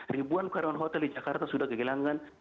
ribuan karyawan hotel di jakarta sudah kehilangan